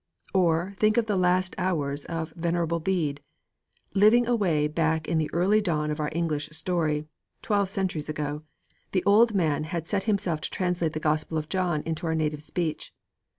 Or think of the last hours of Venerable Bede. Living away back in the early dawn of our English story twelve centuries ago the old man had set himself to translate the Gospel of John into our native speech.